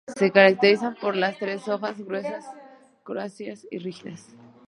Se caracterizan por tener las hojas gruesas, coriáceas y rígidas.